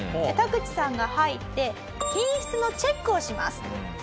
タグチさんが入って品質のチェックをします。